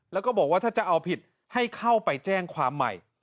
แล้วก็บอกว่าถ้าจะเอาผิดให้เข้าไปแจ้งความใหม่